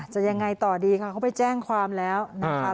จะยังไงต่อดีค่ะเขาไปแจ้งความแล้วนะคะ